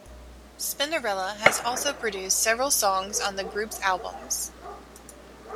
Spinderella has also produced several songs on the group's albums.